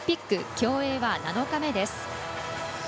競泳は７日目です。